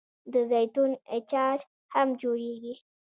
د زیتون اچار هم جوړیږي.